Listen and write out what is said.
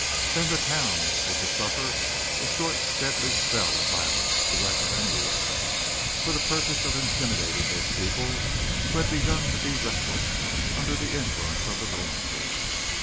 Then the town was to suffer a short deadly spell of violence, directed anywhere, for the purpose of intimidating those people who had begun to be restless under the influence of the Ranger.